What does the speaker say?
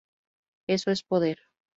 Eso es poder.